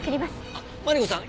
あっマリコさん